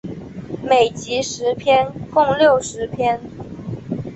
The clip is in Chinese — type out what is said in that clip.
每集十篇共六十篇。